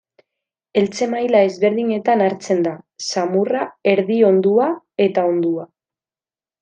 Heltze maila ezberdinetan hartzen da: xamurra, erdi-ondua eta ondua.